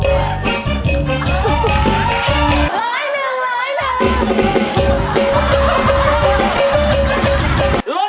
ร้อยหนึ่งร้อยหนึ่ง